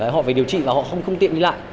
họ phải điều trị và họ không tiện đi lại